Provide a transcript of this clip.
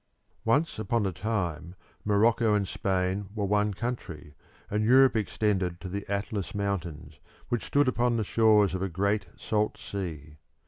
Once upon a time Morocco and Spain were one country, and Europe extended to the Atlas mountains, which stood upon the shores of a great salt sea.